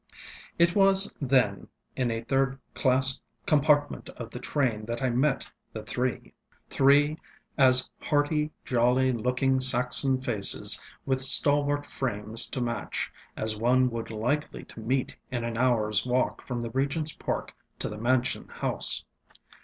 It was, then, in a third class compartment of the train that I met the three. Three as hearty, jolly looking Saxon faces, with stalwart frames to match, as one would be likely to meet in an hourŌĆÖs walk from the RegentŌĆÖs Park to the Mansion House.